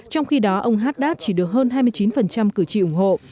trong khi đó ông haddad chỉ được hơn hai mươi chín cử tri ủng hộ